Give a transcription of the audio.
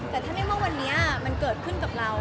แต่ถ้าในเมื่อวันนี้มันเกิดขึ้นกับเรา